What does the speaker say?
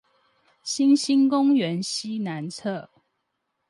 新興公園西南側